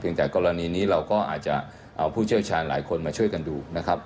จากกรณีนี้เราก็อาจจะเอาผู้เชี่ยวชาญหลายคนมาช่วยกันดูนะครับ